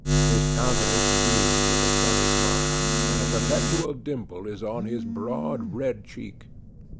His countenance beams with a sunny smile, and a perpetual dimple is on his broad, red cheek.